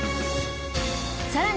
さらに